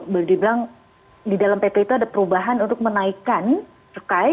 boleh dibilang di dalam pp itu ada perubahan untuk menaikkan cukai